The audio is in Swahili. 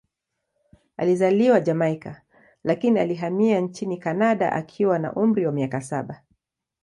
Alizaliwa Jamaika, lakini alihamia nchini Kanada akiwa na umri wa miaka saba.